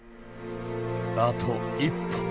あと一歩。